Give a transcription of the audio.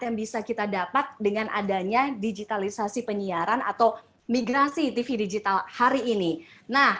yang bisa kita dapat dengan adanya digitalisasi penyiaran atau migrasi tv digital hari ini nah